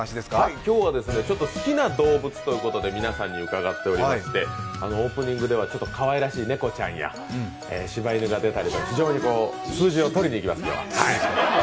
今日は好きな動物ということで皆さんに伺っていましてオープニングではかわいらしい猫ちゃんやしば犬が出たり非常に数字を取りにいきます、今日は。